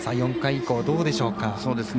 ４回以降、どうでしょうか？